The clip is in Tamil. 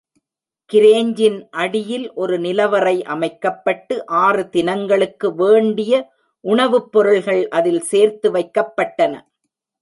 கிரேஞ்சின் அடியில் ஒரு நிலவறை அமைக்கப்பட்டு, ஆறு திங்கள்களுக்கு வேண்டிய உணவுப் பொருள்கள் அதில் சேர்த்து வைக்கப்பட்டன.